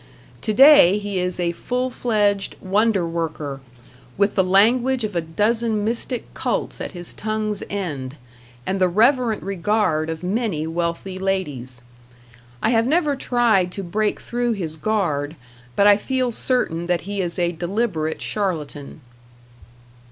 Today he is a full fledged wonder worker, with the language of a dozen mystic cults at his tongue's end, and the reverent regard of many wealthy ladies. I have never tried to break through his guard, but I feel certain that he is a deliberate charlatan.